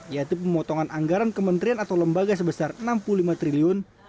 yaitu pemotongan anggaran kementerian atau lembaga sebesar rp enam puluh lima triliun